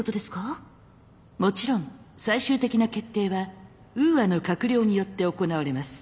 もちろん最終的な決定はウーアの閣僚によって行われます。